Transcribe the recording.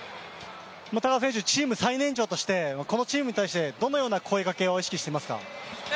高田選手、チーム最年長としてチームにどのような声がけを意識していますか？